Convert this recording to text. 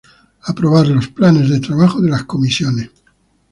Aprobar los planes de trabajo de las Comisiones.